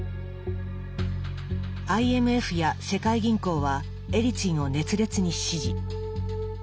ＩＭＦや世界銀行はエリツィンを熱烈に支持。